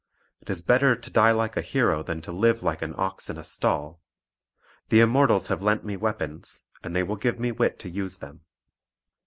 "It is better to die like a hero than to live like an ox in a stall. The Immortals have lent me weapons, and they will give me wit to use them."